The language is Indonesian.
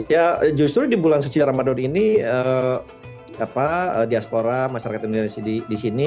ya justru di bulan suci ramadan ini diaspora masyarakat indonesia di sini